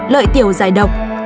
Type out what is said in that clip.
lợi tiểu giải độc